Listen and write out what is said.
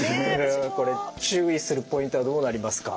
これ注意するポイントはどうなりますか？